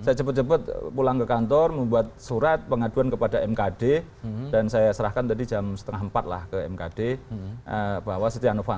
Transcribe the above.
saya cepat cepat pulang ke kantor membuat surat pengaduan kepada mkd dan saya serahkan tadi jam setengah empat lah ke mkd bahwa setia novanto